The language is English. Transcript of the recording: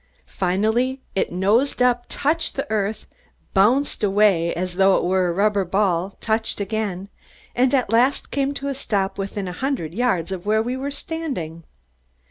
Finally it nosed up, touched the earth, bounced away as though it were a rubber ball, touched again, and at last came to a stop within a hundred yards of where we were standing.